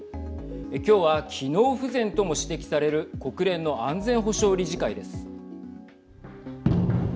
今日は機能不全とも指摘される国連の安全保障理事会です。